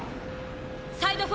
サイド４